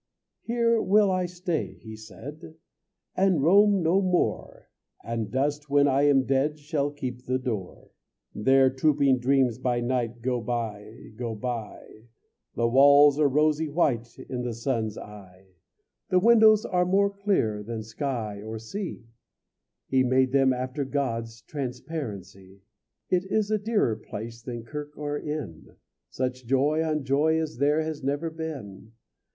"Here will I stay," he said, "And roam no more, And dust when I am dead Shall keep the door." There trooping dreams by night Go by, go by. The walls are rosy white In the sun's eye. The windows are more clear Than sky or sea; He made them after God's Transparency. It is a dearer place Than kirk or inn; Such joy on joy as there Has never been.